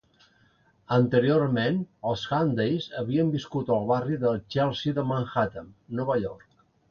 Anteriorment, els Handeys havien viscut al barri del Chelsea de Manhattan, Nova York.